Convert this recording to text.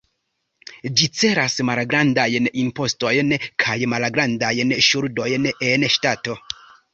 Ĝi celas malgrandajn impostojn kaj malgrandajn ŝuldojn en ŝtato.